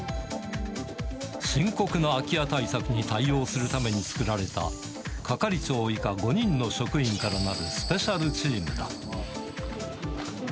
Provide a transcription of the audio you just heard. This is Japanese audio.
深刻な空き家対策に対応するために作られた、係長以下５人の職員からなるスペシャルチームだ。